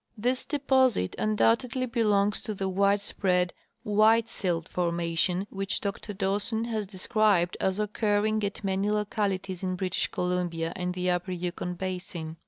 This deposit undoubtedly belongs to the wide spread '"' white silt " formation which Dr Dawspn has described as occurring at many localities in British Columbia and the upper Yukon basin.